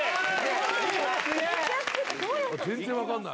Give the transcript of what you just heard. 全然分かんない。